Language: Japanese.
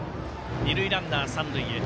二塁ランナーは三塁へ。